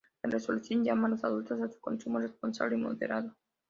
La resolución llama a los adultos a su consumo responsable y moderado.